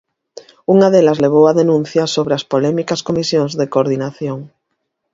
Unha delas levou á denuncia sobre as polémicas comisións de coordinación.